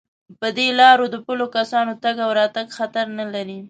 په دې لارو د پلو کسانو تگ او راتگ خطر نه لري.